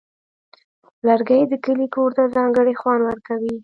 لرګی د کلي کور ته ځانګړی خوند ورکوي.